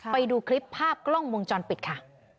ไปดูคลิปภาพกล้องวงจรปิดค่ะ